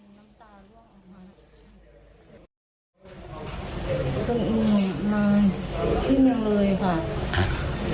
มาที่เมืองเรือยค่ะแล้วเขาก็โทรไปหารู้สึกแย่ค่ะ